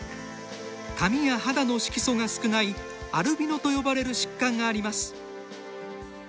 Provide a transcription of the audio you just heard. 髪や肌の色素が少ないアルビノと呼ばれる疾患があります。